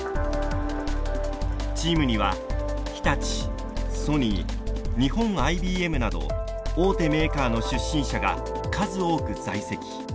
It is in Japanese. チームには日立ソニー日本ＩＢＭなど大手メーカーの出身者が数多く在籍。